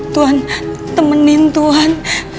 tuhan temenin tuhan